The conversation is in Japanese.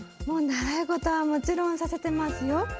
もう習い事はもちろんさせてますよ。